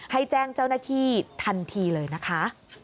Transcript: ให้แจ้งเจ้าหน้าที่ทันทีเลยนะคะ